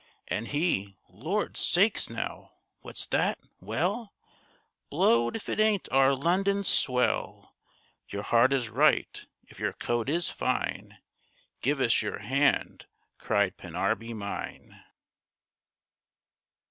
And he—Lord's sakes now! What's that? Well! Blowed if it ain't our London swell. Your heart is right If your coat is fine: Give us your hand!' cried Pennarby mine.